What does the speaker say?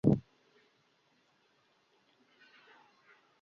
মুহূর্ত পরেই ফিরিয়া আসিয়া দরোয়ানকে জিজ্ঞাসা করিল, বহুঠাকুরানী কোথায় গিয়াছেন।